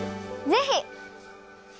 ぜひ！